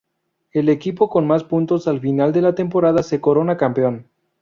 El equipo con más puntos al final de la temporada se corona campeón.